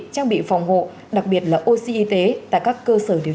trang bị phòng hộ đặc biệt là oxy y tế tại các cơ sở điều